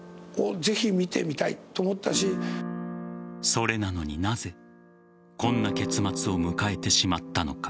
それなのに、なぜこんな結末を迎えてしまったのか。